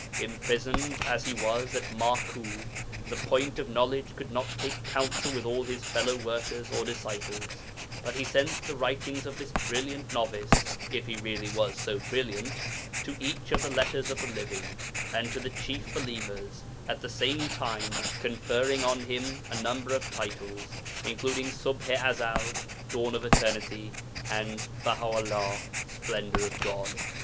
Imprisoned as he was at Maku, the Point of Knowledge could not take counsel with all his fellow workers or disciples, but he sent the writings of this brilliant novice (if he really was so brilliant) to each of the 'Letters of the Living,' and to the chief believers, at the same time conferring on him a number of titles, including Ṣubḥ i Ezel ('Dawn of Eternity') and Baha 'ullah ('Splendour of God